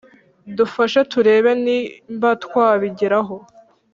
dufashe turebe ni mbatwabigeraho